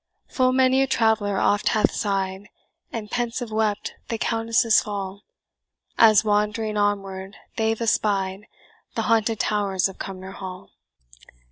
Full many a traveller oft hath sigh'd, And pensive wept the Countess' fall, As wand'ring onward they've espied The haunted towers of Cumnor Hall.